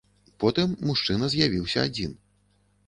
Потым мужчына з'явіўся адзін.